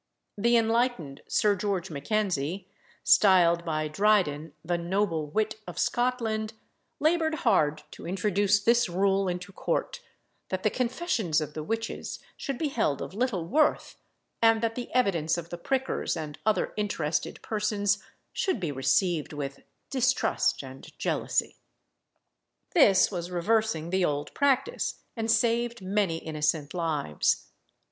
The enlightened Sir George Mackenzie, styled by Dryden "the noble wit of Scotland," laboured hard to introduce this rule into court, that the confessions of the witches should be held of little worth, and that the evidence of the prickers and other interested persons should be received with distrust and jealousy. This was reversing the old practice, and saved many innocent lives.